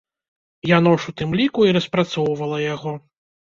Яно ж у тым ліку і распрацоўвала яго.